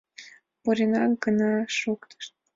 Пуренак гына шуктышт.